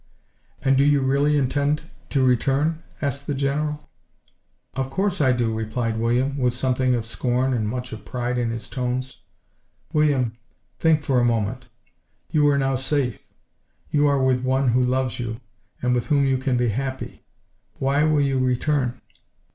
"And do you really intend to return?" asked the General. "Of course I do!" replied William, with something of scorn and much of pride in his tones. "William, think for a moment. You are now safe. You are with one who loves you, and with whom you can be happy. Why will you return?"